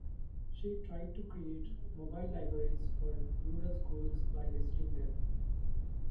She tried to create "mobile libraries" for rural schools by visiting them.